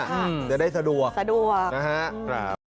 ครับเดี๋ยวได้สะดวกสะดวกนะฮะครับ